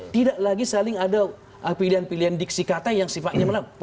tidak lagi saling ada pilihan pilihan diksi kata yang sifatnya menabrak